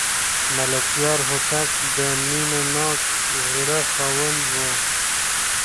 ملکیار هوتک د مینه ناک زړه خاوند و.